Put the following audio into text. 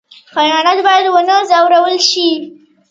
حیوانات باید ونه ځورول شي